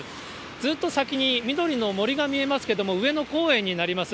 ずっと先に緑の森が見えますけれども、上野公園になります。